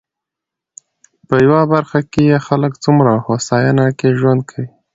په يوه برخه کې يې خلک څومره په هوساينه کې ژوند کوي.